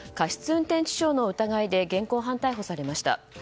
運転致傷の疑いで現行犯逮捕されました。